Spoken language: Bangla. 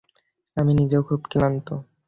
আমি নিজেও খুব ক্লান্ত।